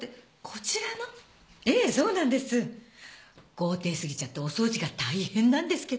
豪邸過ぎちゃってお掃除が大変なんですけど。